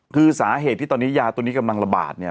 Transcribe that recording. คือสาเหตุที่ตอนนี้ยาตัวนี้กำลังระบาดเนี่ย